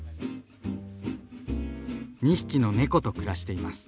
２匹の猫と暮らしています。